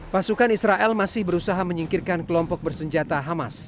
pasukan israel masih berusaha menyingkirkan kelompok bersenjata hamas